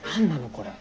これ。